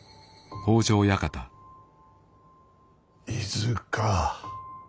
伊豆か。